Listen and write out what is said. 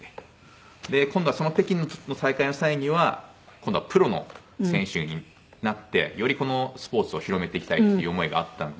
今度はその北京の大会の際には今度はプロの選手になってよりこのスポーツを広めていきたいっていう思いがあったので。